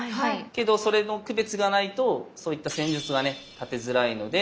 けどそれの区別がないとそういった戦術がね立てづらいので。